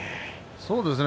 そうですね。